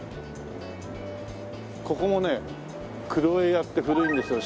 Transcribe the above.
ここもね黒江屋って古いんですよ。